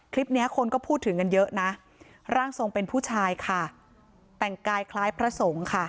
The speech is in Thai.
เนี้ยคนก็พูดถึงกันเยอะนะร่างทรงเป็นผู้ชายค่ะแต่งกายคล้ายพระสงฆ์ค่ะ